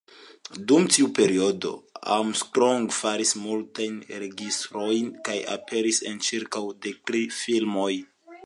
Dum tiu periodo, Armstrong faris multajn registrojn kaj aperis en ĉirkaŭ dektri filmoj.